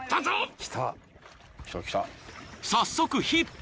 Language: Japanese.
［早速ヒット］